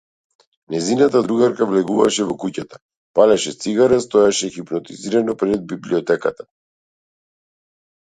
Нејзината другарка влегуваше во куќата, палеше цигара, стоеше хипнотизирано пред библиотеката.